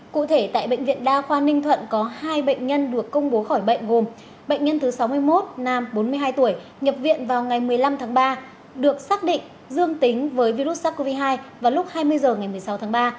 cụ thể tại bệnh viện đa khoa ninh thuận có hai bệnh nhân được công bố khỏi bệnh gồm bệnh nhân thứ sáu mươi một nam bốn mươi hai tuổi nhập viện vào ngày một mươi năm tháng ba được xác định dương tính với virus sars cov hai vào lúc hai mươi h ngày một mươi sáu tháng ba